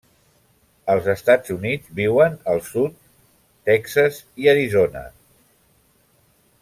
Als Estats Units viuen al sud Texas i Arizona.